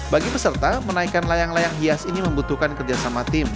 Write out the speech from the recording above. bagi peserta menaikkan layang layang hias ini membutuhkan kerjasama tim